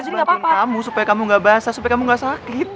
ya gue otomatis berartiin kamu supaya kamu gak basah supaya kamu gak sakit